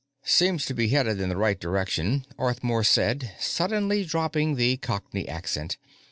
"Seems to be headed in the right direction," Arthmore said, suddenly dropping the Cockney accent.